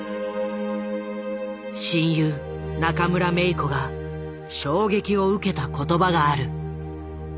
親友中村メイコが衝撃を受けた言葉がある。